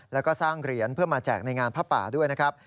แล้วก็สร้างเหรียญเพื่อมาแจกในงานผ้าป่าด้วยนะครับ